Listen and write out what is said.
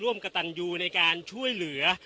กระตันยูในการช่วยเหลือ